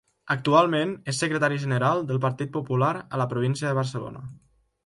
Actualment és secretari general del Partit Popular a la província de Barcelona.